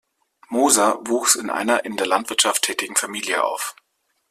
Moser wuchs in einer in der Landwirtschaft tätigen Familie auf.